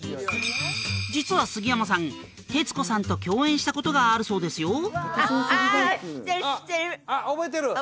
実は杉山さん徹子さんと共演したことがあるそうですよあっあああっ覚えてる？